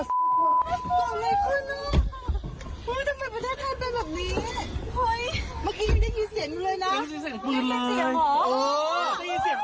เดี๋ยวว่าแต่วันนี้เลยเห็นบอกพรุ่งนี้ก็ต้องเลื่อนกันก่อนใช่ไหม